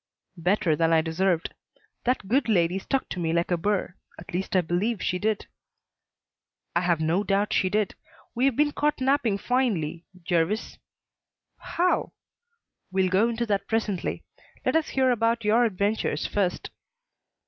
"Better than I deserved. That good lady stuck to me like a burr at least I believe she did." "I have no doubt she did. We have been caught napping finely, Jervis." "How?" "We'll go into that presently. Let us hear about your adventures first."